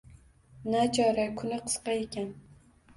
Nachora, kuni qisqa ekan